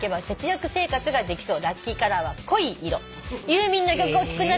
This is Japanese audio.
「ユーミンの曲を聴くなら」